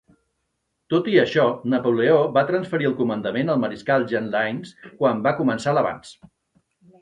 Tot i això, Napoleó va transferir el comandament al mariscal Jean Lannes quan va començar l'avanç.